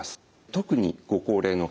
特にご高齢の方